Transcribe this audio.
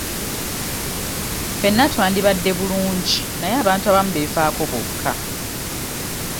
Ffenna twandibadde bulungi naye abantu abamu beefaako bokka.